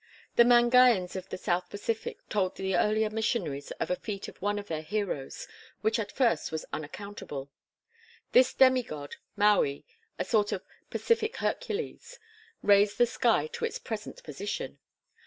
The Mangaians of the South Pacific told the earlier missionaries of a feat of one of their heroes which at first was unaccountable. This demigod, Maui, a sort of Pacific Hercules, raised the sky to its present position.